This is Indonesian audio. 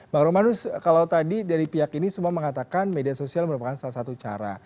bang romanus kalau tadi dari pihak ini semua mengatakan media sosial merupakan salah satu cara